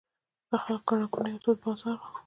د خلکو ګڼه ګوڼې او تود بازار و.